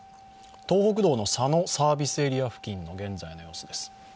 東北道の佐野サービスエリア付近の現在の様子です。